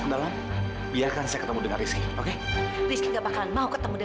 kita harus membayarkan bintu di bagian itu selagi untung kita berada di railway station